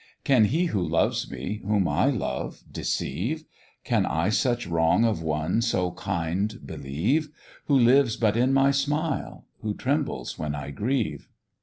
"Can he who loves me, whom I love, deceive? Can I such wrong of one so kind believe, Who lives but in my smile, who trembles when I grieve?